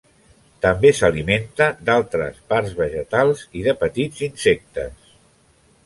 També s'alimenta d'altres parts vegetals i de petits insectes.